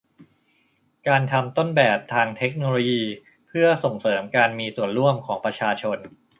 การทำต้นแบบทางเทคโนโลยีเพื่อส่งเสริมการมีส่วนร่วมของประชาชน